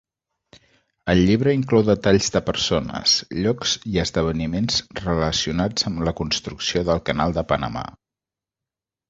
El llibre inclou detalls de persones, llocs i esdeveniments relacionats amb la construcció del canal de Panamà.